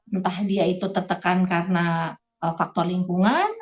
entah dia itu tertekan karena faktor lingkungan